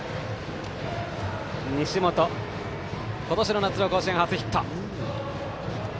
西本、今年の夏の甲子園初ヒット。